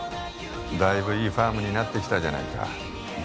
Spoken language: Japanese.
だいぶいいファームになってきたじゃないかま